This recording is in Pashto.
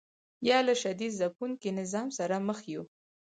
یا له شدید ځپونکي نظام سره مخ یو.